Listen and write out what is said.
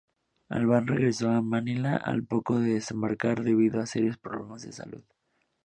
Albán regresó a Manila al poco de desembarcar debido a serios problemas de salud.